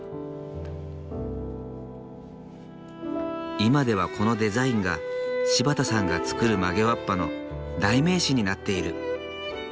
今ではこのデザインが柴田さんが作る曲げわっぱの代名詞になっている。